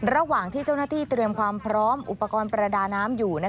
ระหว่างที่เจ้าหน้าที่เตรียมความพร้อมอุปกรณ์ประดาน้ำอยู่